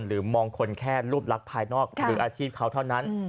หรือมองคนแค่รูปลักษณ์ภายนอกหรืออาชีพเขาเท่านั้น